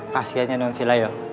kasiannya nun sila yuk